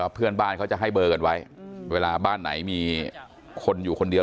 เพื่อนบ้านเขาจะให้เบอร์กันไว้เวลาบ้านไหนมีคนอยู่คนเดียว